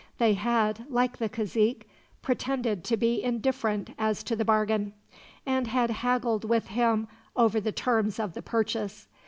They had, like the cazique, pretended to be indifferent as to the bargain; and had haggled with him over the terms of the purchase.